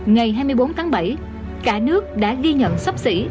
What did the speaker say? ngày hai mươi bốn tháng bảy cả nước đã ghi nhận sắp xỉ